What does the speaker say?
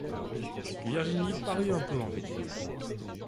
Virginie parut un peu embêtée.